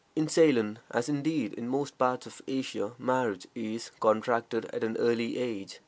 In Ceylon, as, indeed, in most parts of Asia, marriage is contracted at an early age.